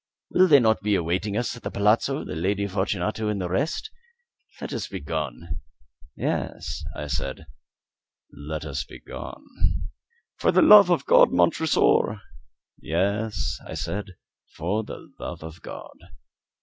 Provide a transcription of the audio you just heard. Will not they be awaiting us at the palazzo, the Lady Fortunato and the rest? Let us be gone." "Yes," I said, "let us be gone." "For the love of God, Montresor!" "Yes," I said, "for the love of God!"